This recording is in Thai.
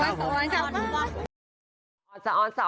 พรผมขอนะบท